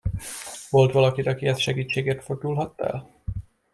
Volt valakid, akihez segítségért fordulhattál?